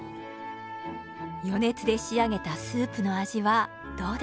余熱で仕上げたスープの味はどうでしょうか。